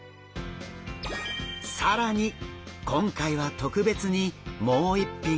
更に今回は特別にもう一品。